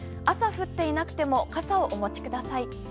朝、降っていなくても傘をお持ちください。